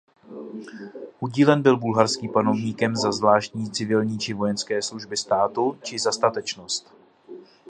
Udílen byl bulharským panovníkem za zvláštní civilní či vojenské služby státu či za statečnost.